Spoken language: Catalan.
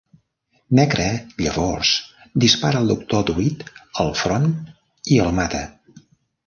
Nekra llavors dispara al Doctor Druid al front i el mata.